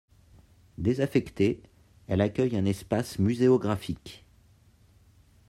Désaffectée, elle accueille un espace muséographique.